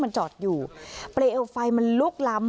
อันดับที่สุดท้าย